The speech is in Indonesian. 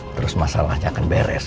terus masalahnya akan beres